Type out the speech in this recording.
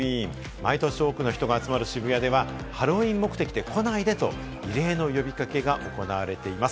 毎年多くの人が集まる渋谷ではハロウィーン目的で来ないでと異例の呼び掛けが行われています。